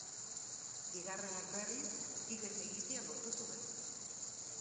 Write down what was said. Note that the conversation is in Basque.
Bigarrenak, berriz, ihes egitea lortu zuen.